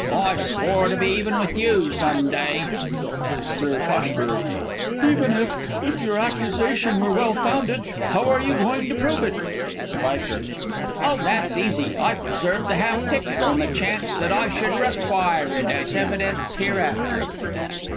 I swore to be even with you some day. Sir P. Even if if your accusation were well founded, how are you going to prove it? Sp. Oh, that's easy! I preserved the half ticket, on the chance that I should require it as evidence hereafter.